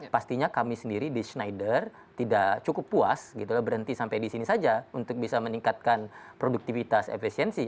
pastinya kami sendiri di schneider tidak cukup puas berhenti sampai di sini saja untuk bisa meningkatkan produktivitas efisiensi